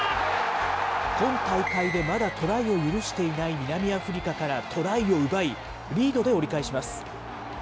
今大会でまだトライを許していない南アフリカからトライを奪い、リードで折り返します。